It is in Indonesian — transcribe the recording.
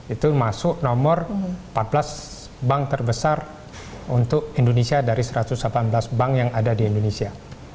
itu masuk nomor empat belas bank terbesar untuk indonesia dari satu ratus delapan belas bank yang ada di indonesia